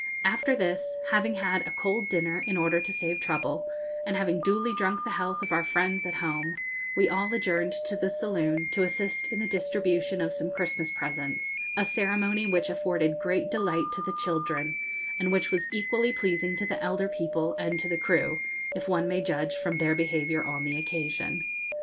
After this, having had a cold dinner, in order to save trouble, and having duly drunk the health of our friends at home, we all adjourned to the saloon, to assist in the distribution of some Christmas presents, a ceremony which afforded great delight to the children, and which was equally pleasing to the elder people and to the crew, if one may judge from their behaviour on the occasion.